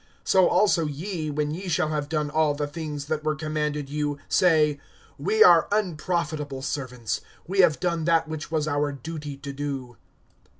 (10)So also ye, when ye shall have done all the things that were commanded you, say, We are unprofitable servants; we have done that which was our duty to do.